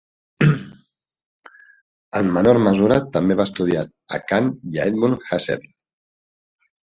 En menor mesura també va estudiar a Kant i a Edmund Husserl.